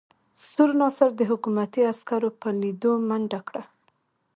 سور ناصر د حکومتي عسکرو په لیدو منډه کړه.